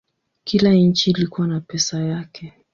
Kila nchi ilikuwa na pesa yake.